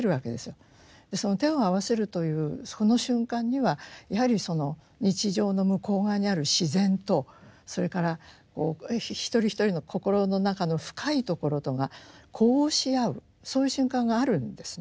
その手を合わせるというその瞬間にはやはりその日常の向こう側にある自然とそれから一人一人の心の中の深いところとが呼応し合うそういう瞬間があるんですね。